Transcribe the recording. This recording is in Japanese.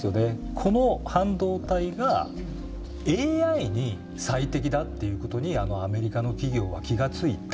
この半導体がＡＩに最適だっていうことにアメリカの企業は気が付いた。